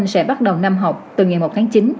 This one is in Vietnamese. sẽ bắt đầu năm học từ ngày một tháng chín